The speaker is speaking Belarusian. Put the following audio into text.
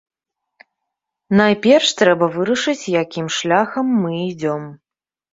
Найперш трэба вырашыць, якім шляхам мы ідзём.